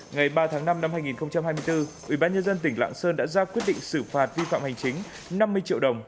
ngày ba tháng năm năm hai nghìn hai mươi bốn ubnd tỉnh lạng sơn đã ra quyết định xử phạt vi phạm hành chính năm mươi triệu đồng